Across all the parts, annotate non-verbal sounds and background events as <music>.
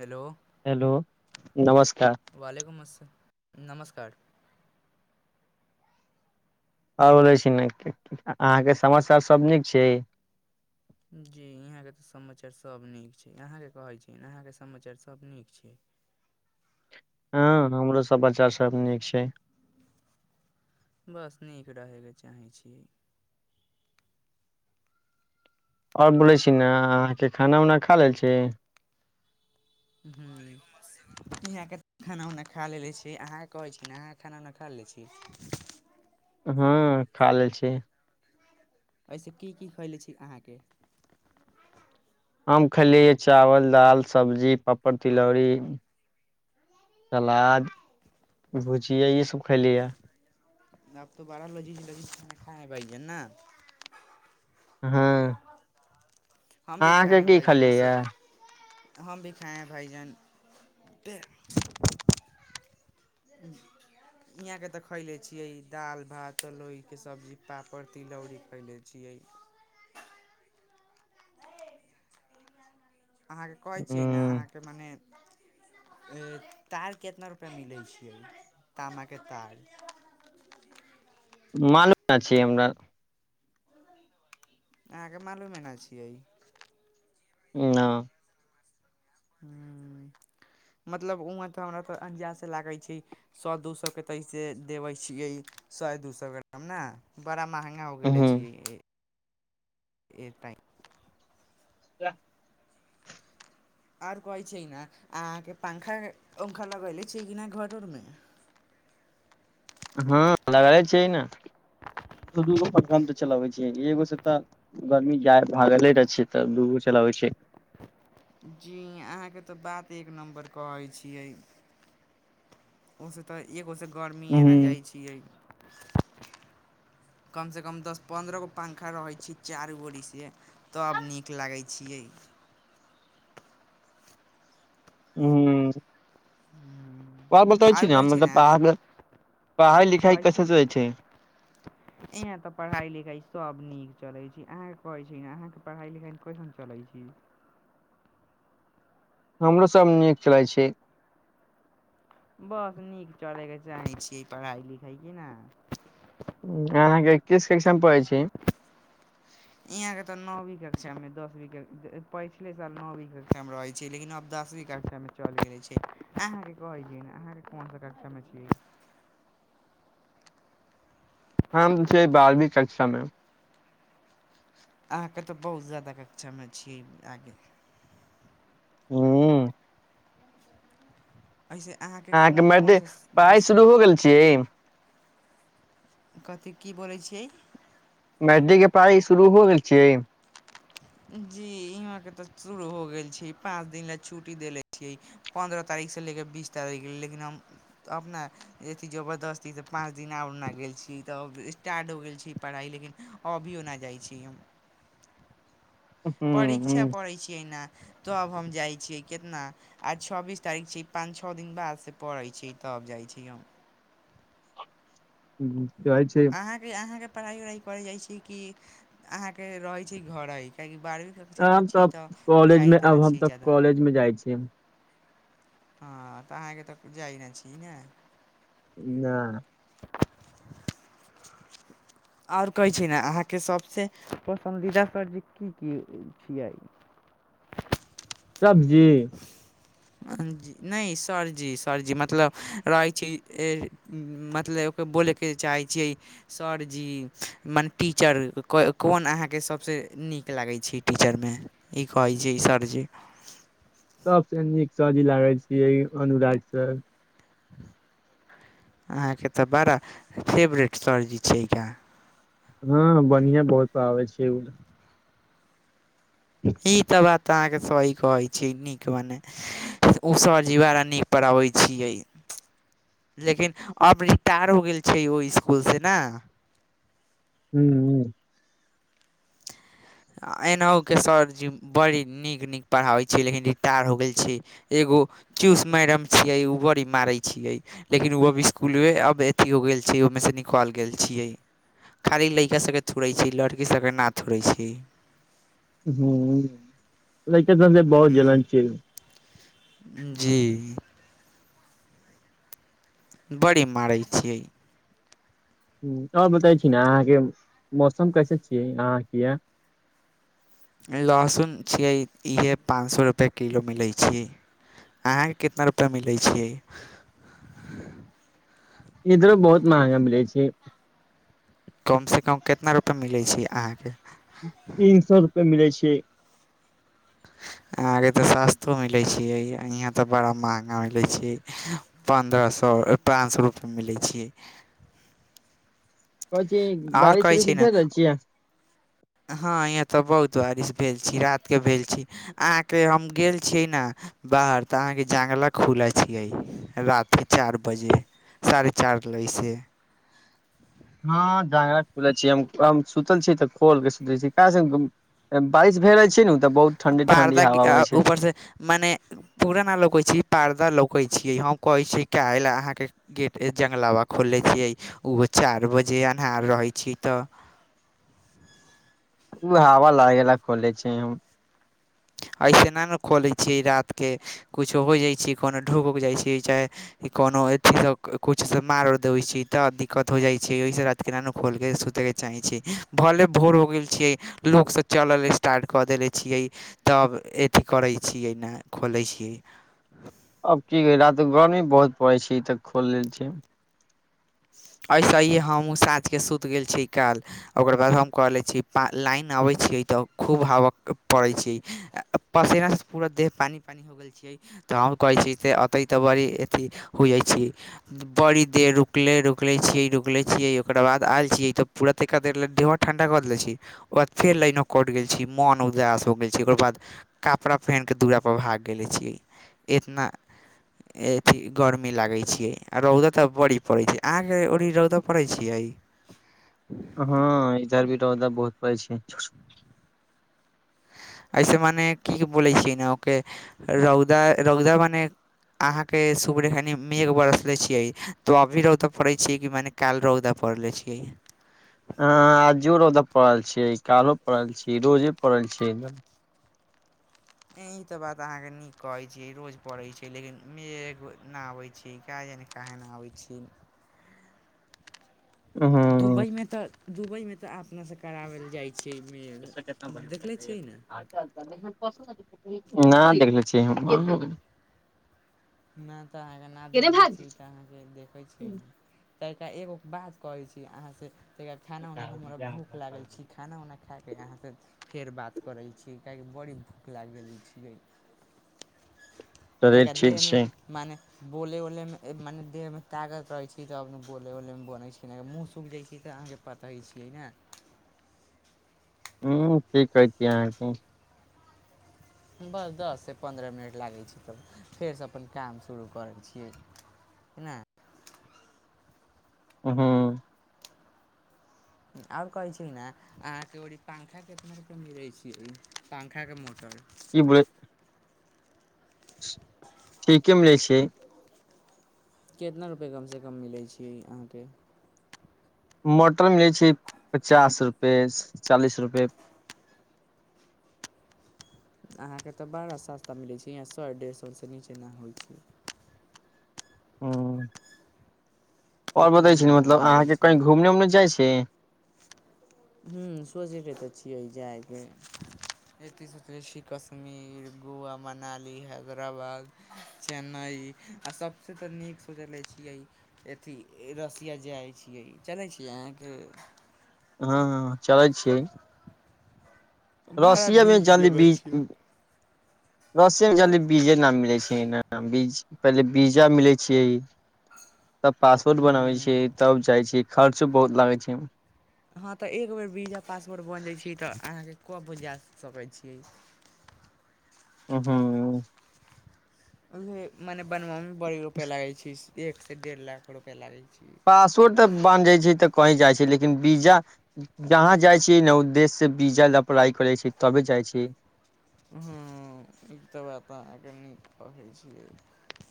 Hello hello नमस्कार वलकुमस् नमस्कार आओर बोले <unintelligible> छी ने अहाँ के समस्या सब नीक छै जी यहाँ के तऽ समाचार सब नीक छै अहाके कहै छी अहाँके समाचार सब नीक छै हँ हमरो सब बच्चा सब नीक छै बस नीक रहै के चाहे छीयै आओर बोलै छी ने अहाँके खाना उना खा लेल छी नै से <unintelligible> यहाँ केत खाना उना खा लेने छी अहाँके कहै छी ने अहाँ खाना उना खा लने छी हँ खा लेल छी एहिसे की की खैले छी अहाँके हम खेलियैै चावल दाल सब्जी पापड़ तिलौरी सलाद भुजियै ई सब खैली ह आब तऽ बारह बाजी लजी <unintelligible> ज ल ख खाब ज ने <unintelligible> हँ हम भी खाए अहाँके हैं की भाईजान खलैय ऐसे या हम भी खाए भैजन <unintelligible> <inaudible> हियाँके तऽ खैले छियै दाल भात तरोइके सब्जी पापड़ तिलौरी खैले छियै अहाँके कहै छियै न ह अहाँके मने तार कितना रुपैया मिलै छैै तामाके तार मालुम ना छी हमरा अहाँके मालूमे न छियै ना ह मतलब उह तऽ हमरा त अंजाद से लागै छै सौ दू सए के ऐसे देबे छियै सैय दू सए ग्राम नाऽ बड़ा महंगा हो गेले हूँ छिये एक टाइम <unintelligible> आओर कहै छै ने अहाँ के पंखा उंखा लगेले छिये डि न घर उरमे हँ लगले छै न दू दूगो पखा हम तऽ चलबै छिय एगो सँ तऽ गर्मी जा भागले रह छियै तऽ दूगो चलाबै छियै जी अहाँके तऽ बात एक नम्बर कहै छियै ओसे तऽ एगो से गर्मीये ह नऽ जाइ छियै कमसँ कम दस पन्द्रह गो पंखा रहै छी चारू ओरीसे तब नीक लागै छियै हूँ और बतबै छी आर ने कहै छै मतलब पढ़ पढ़ाइ लिखाइ कैसे चलै छै इहाँ तऽ पढ़ाई लिखाई सभ नीक चलै छै अहाँके कहै छै न अहाँके पढ़ाई लिखाई कईसन चलै छै हमरो सब नीक चलै छै। बस नीक चलैके चाहै छियै पढ़ाइ लिखाइ की न अहाँके किस कक्षा पढ़ै छी यहाँ के तऽ नौवीं कक्षा मे दसवी कक्षा पछिले साल नौवी कक्षा मे रहे छै लेकिन अब दसवी कक्षा मे चल गेले छै अहाँ कहै छी नऽ अहाँके कोन सा कक्षा मे छी हम छियै बारहवी कक्षा मे अहाँके तऽ बहुत ज्यादा कक्षामे छी आगे हूँ एहिसे अहाँ अहाँके मरदे पढ़ाइ शुरू हो गेल छियै कथी की बोलै छियै मैट्रिक के पढ़ाई शुरू हो गेल छियै जी इहाँके तऽ शुरू हो गेल छै पाँच दिन लेलए छुट्टी देले छियै पन्द्रह तारीख से लेके बीस तारीख लेऽ लेकिन हम तऽ अपना अथी जबर दस दिनसँ पाँच दिन आ ओरना गेल छी तब स्टार्ट हो गेल छी पढ़ाई लेकिन अभियो नहि जाई छी हम हूँ हूँ परीक्षा पढ़ै छियै ने तऽ आब हम जाइ छियै कितना आ छबीस तारीख छी पाँच छ दिन बाद से पड़ैत छै तब जाइत छी हम <unintelligible> छै अहाँके अहाँके पढ़ाइ उढ़ाइ करै जाइ छै कि अहाँके रहै छै घरे काहेकि बारहवी क आब तऽ कॉलेज मे अब हम तऽ ज्यादा कॉलेज मे जाइ छीिय हँ तऽ अहाँके तऽ जाइ ने छी न ना आओर कहै छी ने अहाँके सभसँ पसन्दीदा सब्जी की की छियै सब्जी जे नहि सरजी सरजी मतलब रहै छी मतलब ओ बोलै के चाहे छियै सर जी मने टीचर कोन अहाँके सभसँ नीक लागै छियै टीचरमे ई कहै जे ईशर जे सबस नीक सर जी लागल छियै अनुराग से अहाँके त बड़ा फेवरेट सरजी छै हाँ बढ़िआँ बहुत आबै छै ई तऽबात त अहाँके सही कहै छी नीक मने ओ स जी वारा नीक पढ़बै छियै लेकिन अब रिटायर हो गेल छै ओहि स्कुल से ने हूँ हूँ एनाहु के सरजी बड़ी नीक नीक पढ़ाबैत छी लेकिन रिटायर हो गेल छी एगो चूस मैडम छियै उ बड़ी मारे छियै लेकिन ओ अब स्सकुल अब अथी हो गेल छै ओहिमे से निकल गेल छियै खाली लड़का सबके थोड़ै छी लड़की सभके नाथोड़ै छी ह ल‌इका सभले बहुत जलन ह्म छै जी बड़ी मारै छियै आओर बताे छी ने अहाँके मौसम कहन छियै अहाँके लहसुन छियै इहे पाँच सए रुपए किलो मिलैत छै अहाँके कितना रुपैआ मिलैत छैै इधरो बहुत महंगा मिलै छै कम से कम कितना रुपआ मिलै छै अहाँके तीन सए रुपए मिलै छै आहा के तऽ सस्तो मिले छियै यहाँ ते बड़ा महंगा मिले छै पन्द्रह सए पाँच सए रुपआ मिलै छियै कहै छी आओर बारिश कहै उरिश छै ने भेज रहल छियै हँ यहाँ त बहुत बारिश भेल छी रात के भेल छी अहाँके हम गेल छिये ने बाहर त अहाँके जंगला खुले छियै रात के चारि बजे साढ़े चार नहि से ह देह हाथ खुलल छै हम सुतल छी तऽ खोल के सुतल छी क बारिश भए जाइ छै ने तऽ बहुत ठंडी पारदा हवा अबै छै उऊर से मने पुराना लोकै छी पारदा लोकैत छीयै हम कहैत छीियै क लेल अहाँके गेट जङ्ंगलाबा खोलले छियै ओहो चारि बजे अन्हार रहै छीै तऽ ओ हवा लगे ला खोले छै हम अऐसेना ने खोलैत छियै रातिके किुछो हो जाइ छै कोनो ढूक उक जाइत छै चाहे कोनो अथी कुछ से मार देै छै त दिक्कत हो जाई छी ओहि किनानो खोल के सुते के चाहे छी भले भोर हो गेल छी लोकसभ चलल स्टार्ट कऽ देले छियै तब अथी करै छियै ने खोलै छियै अब की कहा तऽ गरमी बहुत पड़ै छै ई तऽ खोल लेल छै आई स ही हमहूँ साँझके सुति गेल छी काल्हि ओकर बाद हम क लै छी लाइन अबैत छियै तऽ खूब हवय पड़ैत छै पसेना स पूरा देह पानि पानि हो गेल तऽ हम कहै छी तऽ अतै तऽ बड़ी अथी होइ छी बड़ी देर रुकले रु रुकलै छिय रुकलै छिय ओकर बाद आए छियै त पूरात त तेहो ठण्डाऽ देले छी ओकर बाद फेर लाईनो कटि गेल छी मोन उदास हो गेल छी ओकर बाद कपड़ा पहिन क दुूअरापर भाग गेलने छियै इतना एभि गर्मी लागे छी, आ रौदा तऽ बड़ी पड़े छै। आहाँकेँ ओड़ी रौदऽ पड़ै छियै? हँ, इधर भी रौदा बहुत पड़ै छै। एहिसे मने की बोलै छियै, ने ओ के रौदा मने अहाँकेँ सूपरेखनि मेघ बरसले छियै। तो अभी रौदा पड़े छियै, कि मने काल रौदा पड़ले छियै। ह, आजो रौदा पड़ल छियै, कालो पढ़ल छियै, रोजे पड़ल छियै। ई तऽ बात अहाँ नीक कहै छी, रोज पढ़ै छै, लेकिन मुँहसँ नहि आबै। ठीक है। काहे न आबै छी। ह। दुबई मे तऽ दुबई मे तऽ अपनासे करावय लऽ जाय छै। <unintelligible> देखले छियै ने नहि देखले छियै हम नहि तऽ अहाँकेँ ना देख ले छीय तऽ अहाँकेँ देखै छियै। तऽ एगो बात कहै छी अहाँसँ तऽ खाना उना हमरा भूख लागल छी खाना उना खके अहाँसँ फेर बात करै छी, कियाकि बड़ी भूख लागि रहल छियै। तऽ चलै कदे ठीक दहमे छै मने बोलै उलैमे मने देहमे तागत रहै छै। तब आप बोलै उलैमे बोलै छै। केना मुँह सुखि जाइ छै, तऽ अहाँकेँ पतै छियै ने ह, ठीक कहैति अहाँकेँ बस दससँ पन्द्रह मिनट लागै छै। तब फेरसँ अपन काम शुरू करै छियै। ना हू। आब कहै छी ना अहाँकेँ पंखा केतना रुपया मिलै छी पंखाके मोटर। ब। ठीके मिलै छियै। कितना रुपैआ कमसँ कम मिलै छै। अहाँकेँ मोटर मिलै छै। पचास रुपए चालीस रुपए। अहाँकेँ तऽ बड़ा सस्ता मिलै छै, यऽ सौ डेढ़ सौ नीचे ना होइ छै। आओर बतै इतना छी, महग मतलब मिलै अहाँकेँ छै कहीं घूमने उमने जाइ छी। हू। सोचैकेँ तऽ छियै जायइके। एकतीस छी, कश्मीर, गोवा, मनाली, हैदराबाद। चेन्नई आ सभसँ तऽ नीक सोचले छियै। अथि रसिया जाइ छियै। चलै छियै। अहाँकेँ हँ, हँ चलै छीयै। बड़ा रसियामे नीक जल्दी जगह बीज छियै रसियामे जल्दी बीज नहि मिलै छियै, बीज पहिले बीजा मिलै छियै। तब पास्पोर्ट बनाबै ह्म छीयै। तब जाई छी खर्चों बहुत लागै छै। हँ, तऽ एक बेर वीजा पासपोर्ट बनि जाइ छै, तऽ अहाँकेँ कतऽ जा सकै छियै। उ हू ओ मने बनबामे बड़ी रुपइया लागै छै, एकसँ डेढ़ लाख रुपइया लागै छै। पासवोर्ट तऽ बान जाई छै। तऽ कही जाई छै लेकिन वीजा। जहाँ जाइ छी ने देशसे वीजा लऽ अप्लाई करै छै। तबे जाइ छी हि, ई तऽ बात अहाँकेँ नीक कहैत छियै।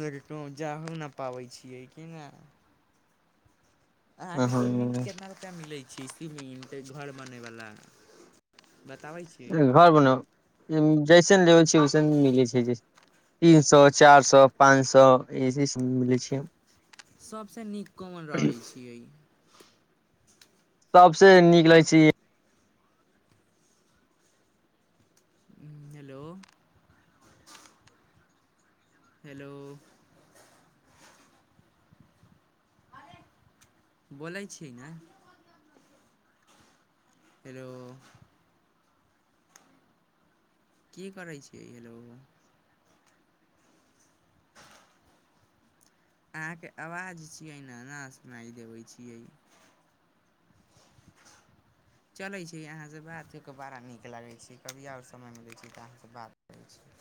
लेकिन कहू जाहो नहि पाबै छियै की नहि आहकेँ सुम्मिंग हूँ कऽ मिलै छी, सीमेंट घर बने वाल बताबै छी। घर बनाउ जैसन लेबै छै वैसन मिलैत छै। तीन सए, चारि सए, पाँच सए ई सभ मिलै छै। सभसँ नीक कोन रहैत छियै। तब से निकलै छी हेलो हेलो बोलै छी ने हेलो की करै छियै हेलो अहाँ के आवाज छियै ने न सुनाइ देबे छियै चलै छै अहाँ सँ बात कऽ कऽ बड़ा नीक लागै छै कभी और समय मीलै छियै तऽ अहाँ सँ बात करै छी